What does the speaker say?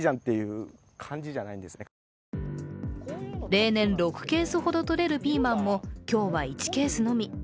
例年６ケースほどとれるピーマンも、今日は１ケースのみ。